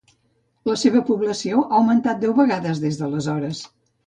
La seva població ha augmentat deu vegades des d'aleshores.